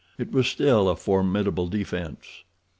It was still a formidable defense.